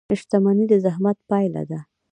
• شتمني د زحمت پایله ده.